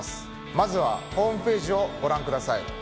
まずはホームページをご覧ください。